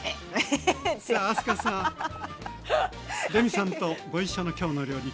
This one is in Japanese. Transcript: さあ明日香さんレミさんとご一緒の「きょうの料理」